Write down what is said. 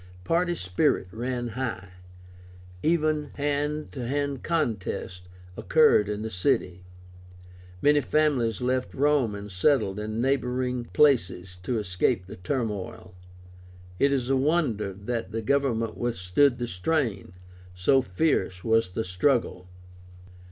Party spirit ran high; even hand to hand contests occurred in the city. Many families left Rome and settled in neighboring places to escape the turmoil. It is a wonder that the government withstood the strain, so fierce was the struggle.